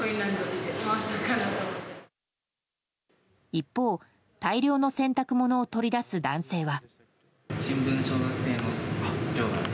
一方、大量の洗濯物を取り出す男性は。